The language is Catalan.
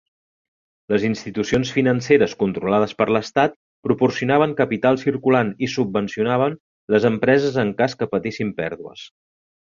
Les institucions financeres controlades per l'estat proporcionaven capital circulant i subvencionaven les empreses en cas que patissin pèrdues.